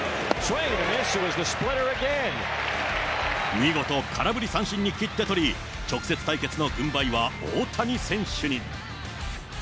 見事、空振り三振に切って取り、直接対決の軍配は大谷選手に。